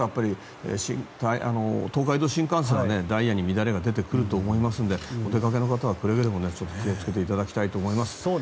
東海道新幹線もダイヤに乱れが出てくると思いますのでお出かけの方はくれぐれも気をつけていただきたいと思います。